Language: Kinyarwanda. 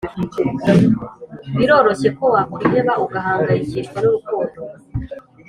Biroroshye ko wakwiheba ugahangayikishwa nurukundo